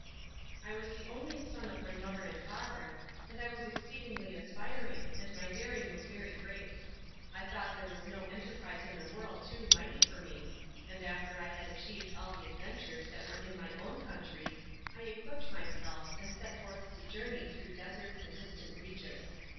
"I was the only son of my mother and father, and I was exceedingly aspiring, and my daring was very great. I thought there was no enterprise in the world too mighty for me: and after I had achieved all the adventures that were in my own country, I equipped myself, and set forth to journey through deserts and distant regions.